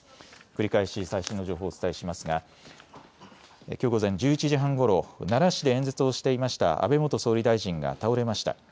繰り返し最新の情報をお伝えしますがきょう午前１１時半ごろ奈良市で演説をしていました安倍元総理大臣が倒れました。